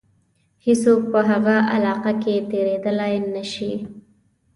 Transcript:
هیڅوک په هغه علاقه کې تېرېدلای نه شي.